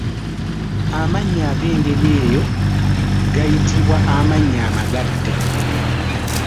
Amannya ag’engeri eyo gayitibwa amannya amagatte.